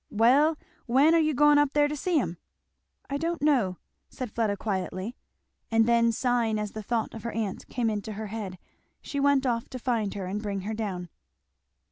"Well when are you going up there to see 'em?" "I don't know," said Fleda quietly. And then sighing as the thought of her aunt came into her head she went off to find her and bring her down.